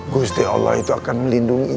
gue setia allah itu akan melindungi